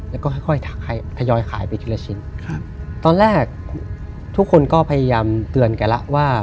แล้วก็ค่อยทยอยขายไปทีละชิ้นตอนแรกทุกคนก็พยายามเตือนแกละว่า